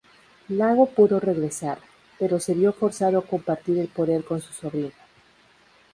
Iago pudo regresar, pero se vio forzado a compartir el poder con su sobrino.